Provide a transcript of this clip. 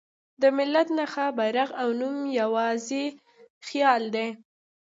د ملت نښه، بیرغ او نوم یواځې خیال دی.